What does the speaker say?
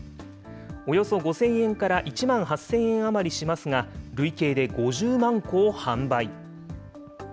およそ５０００円から１万８０００円余りしますが、累計で５０万個を販売。